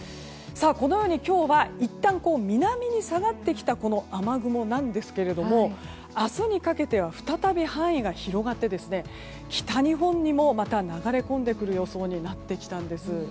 このように今日はいったん南に下がってきて雨雲ですが明日にかけては再び範囲が広がって北日本にもまた流れ込んでくる予想になってきたんです。